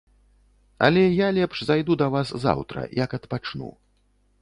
Але я лепш зайду да вас заўтра, як адпачну.